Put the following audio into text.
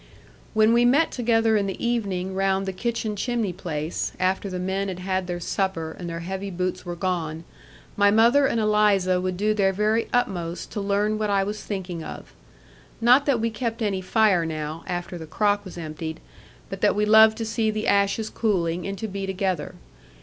When we met together in the evening round the kitchen chimney place, after the men had had their supper and their heavy boots were gone, my mother and Eliza would do their very utmost to learn what I was thinking of. Not that we kept any fire now, after the crock was emptied; but that we loved to see the ashes cooling, and to be together.